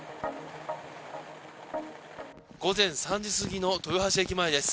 午前３時過ぎの豊橋駅前です。